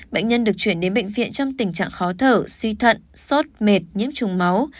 bệnh nhân được chuyển đến bệnh viện trong tình trạng khó thở suy thận sốt mệt nhiễm trùng máu